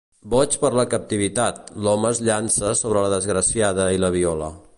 Boig per la captivitat, l'home es llança sobre la desgraciada i la viola.